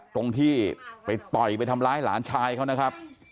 ตรงที่ไปต่อยไปทำร้ายหลานชายเขานะครับ